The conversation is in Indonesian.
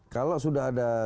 kalau sudah ada